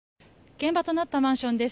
現場となったマンションです。